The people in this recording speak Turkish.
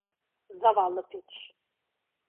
Zavallı piç.